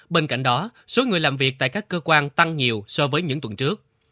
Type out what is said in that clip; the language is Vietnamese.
bên cạnh đó số người làm việc tại các cơ quan tăng nhiều so với những tuần trước